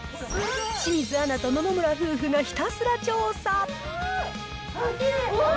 清水アナと野々村夫婦がひたすら調査。